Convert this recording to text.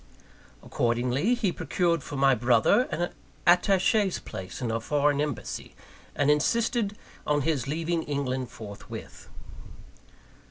Accordingly, he procured for my brother an attache's place in a foreign embassy, and insisted on his leaving England forthwith.